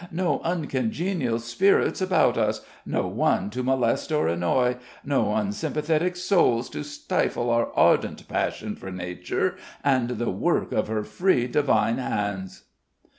No uncongenial spirits about us no one to molest or annoy no unsympathetic souls to stifle our ardent passion for Nature and the work of her free, divine hands."